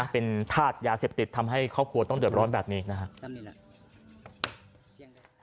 เป็นธาตุยาเสพติดทำให้ครอบครัวต้องเดือดร้อนแบบนี้นะครับ